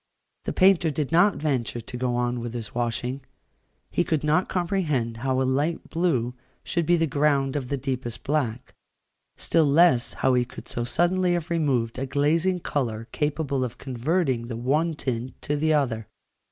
The painter did not venture to go on with his washing: he could not comprehend how a light blue should be the ground of the deepest black, still less how he could so suddenly have removed a glazing colour capable of converting the one tint to the other.